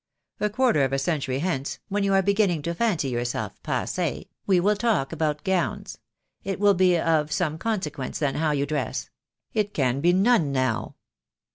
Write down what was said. A quarter of a century hence, when you are beginning to fancy yourself passe'e we will talk about gowns. It will be of some con sequence then how you dress. It can be none now."